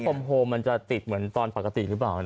มโพลมันจะติดเหมือนตอนปกติหรือเปล่า